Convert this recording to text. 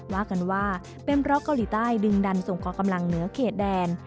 ว่ากันว่าเป็นเพราะเกาหลีใต้ดึงดันส่งคอกำลังเหนือเขตแดน